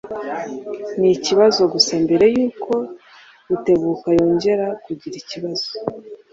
Ni ikibazo gusa mbere yuko Rutebuka yongera kugira ibibazo.